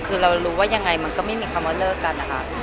คือเรารู้ว่ายังไงมันก็ไม่มีคำว่าเลิกกันนะคะ